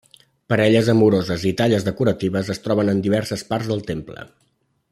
Parelles amoroses i talles decoratives es troben en diverses parts del temple.